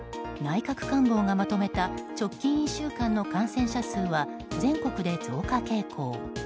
内閣官房がまとめた直近１週間の感染者数は全国で増加傾向。